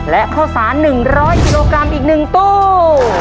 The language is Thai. และข้าวสาร๑๐๐กิโลกรัมอีก๑ตู้